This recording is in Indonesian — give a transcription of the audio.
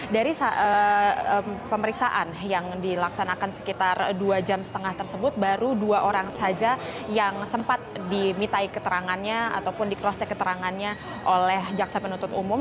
dari pemeriksaan yang dilaksanakan sekitar dua jam setengah tersebut baru dua orang saja yang sempat dimintai keterangannya ataupun di cross check keterangannya oleh jaksa penuntut umum